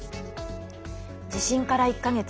地震から１か月。